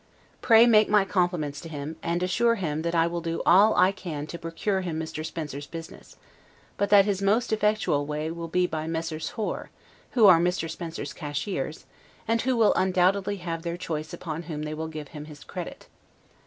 Pray make my compliments to him, and assure him that I will do all I can to procure him Mr. Spencer's business; but that his most effectual way will be by Messrs. Hoare, who are Mr. Spencer's cashiers, and who will undoubtedly have their choice upon whom they will give him his credit.